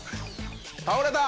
倒れた！